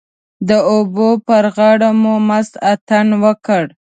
د اوبو پر غاړه مو مست اتڼ وکړ.